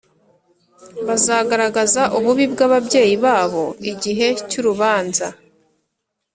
bazagaragaza ububi bw’ababyeyi babo igihe cy’urubanza.